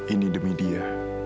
ini demi dia